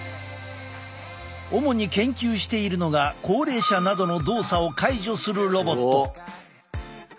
主に研究しているのが高齢者などの動作を介助するロボット。